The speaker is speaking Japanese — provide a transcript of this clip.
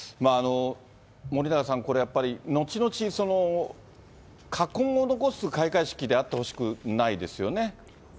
森永さん、これやっぱり、後々、禍根を残す開会式であってほしくないですよね。